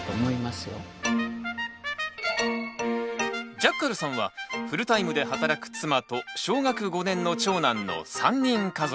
ジャッカルさんはフルタイムで働く妻と小学５年の長男の３人家族。